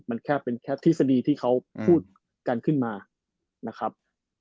มันแค่เป็นแค่ทฤษฎีที่เขาพูดกันขึ้นมานะครับ